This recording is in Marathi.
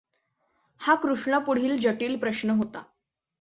हा कृष्णापुढील जटिल प्रष्न होता.